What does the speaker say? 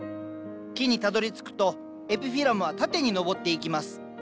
木にたどりつくとエピフィラムは縦に登っていきます。